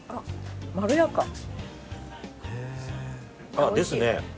ああですね。